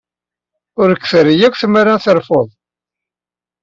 Ur k-terri akk tmara terfud.